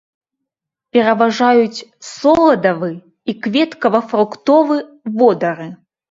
Пераважаюць соладавы і кветкава-фруктовы водары.